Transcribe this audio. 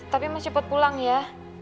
tapi mas cepet pulang ya